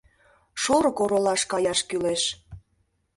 Шорык оролаш каяш кӱлеш.